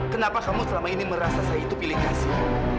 kenapa kamu selama ini merasa saya itu pilih kasih